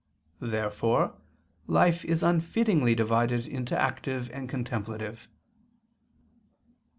Therefore life is unfittingly divided into active and contemplative.